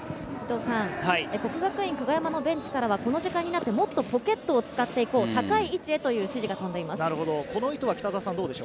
國學院久我山のベンチからは、この時間になって、もっとポケットを使っていこう、高い位置へという指示がとんでいます。